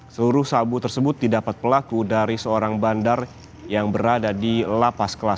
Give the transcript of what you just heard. seluruh sabu tersebut didapat pelaku dari seorang bandar yang berada di lapas kelas satu